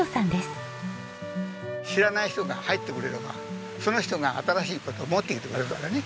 知らない人が入ってくれればその人が新しい事を持ってきてくれるからね。